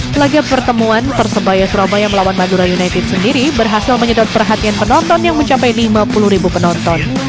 laga pertemuan persebaya surabaya melawan madura united sendiri berhasil menyedot perhatian penonton yang mencapai lima puluh ribu penonton